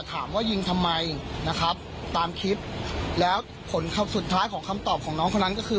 ถามว่ายิงทำไมนะครับตามคลิปแล้วผลคำสุดท้ายของคำตอบของน้องคนนั้นก็คือ